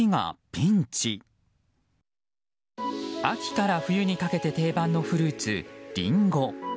秋から冬にかけて定番のフルーツ、リンゴ。